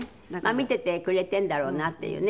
見ててくれてるんだろうなっていうね。